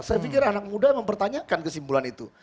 saya pikir anak muda mempertanyakan kesimpulan itu